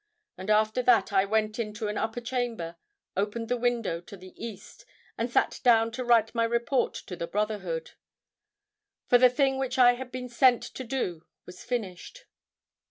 And after that I went into an upper chamber, opened the window to the east, and sat down to write my report to the brotherhood. For the thing which I had been sent to do was finished."